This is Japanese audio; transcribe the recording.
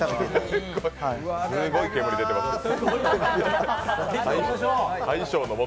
すごい煙出てますけど。